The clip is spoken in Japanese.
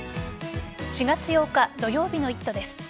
４月８日土曜日の「イット！」です。